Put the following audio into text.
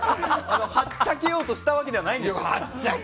はっちゃけようとしたわけじゃないんです！